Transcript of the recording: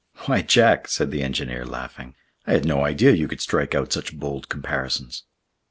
"Why, Jack," said the engineer, laughing, "I had no idea you could strike out such bold comparisons!"